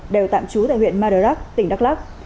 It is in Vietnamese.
đều tạm trú tại huyện mơ đơ rắc tỉnh đắk lắk